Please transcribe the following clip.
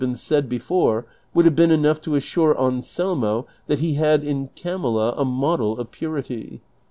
n said before, would have been enough to assure Anselmo lliat he had in Camilla a model of purity.